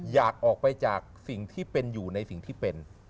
อยากออกไปจากสิ่งที่เป็นอยู่ในสิ่งที่เป็น